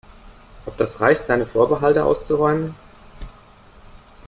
Ob das reicht, seine Vorbehalte auszuräumen?